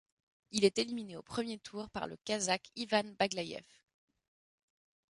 Il est éliminé au premier tour par le kazakh Ivan Baglayev.